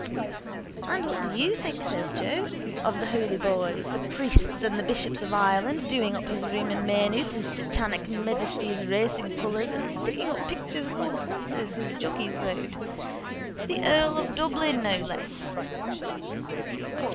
—And what do you think, says Joe, of the holy boys, the priests and bishops of Ireland doing up his room in Maynooth in His Satanic Majesty's racing colours and sticking up pictures of all the horses his jockeys rode. The earl of Dublin, no less.